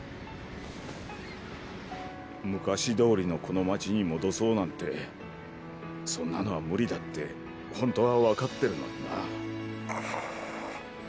昔どおりのこの街に戻そうなんてそんなのは無理だってほんとは分かってるのにな。